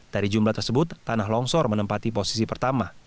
dari jumlah tersebut tanah longsor menempati posisi pertama